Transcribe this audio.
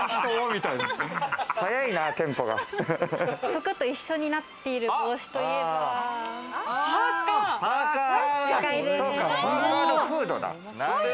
服と一緒になっている帽子とパーカー。